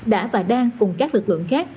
đã và đang cùng các lực lượng khác